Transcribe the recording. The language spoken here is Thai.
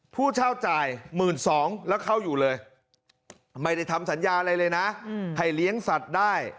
ผู้เช่าจ่าย๑๒๐๐แล้วเข้าอยู่เลยไม่ได้ทำสัญญาอะไรเลยนะให้เลี้ยงสัตว์ได้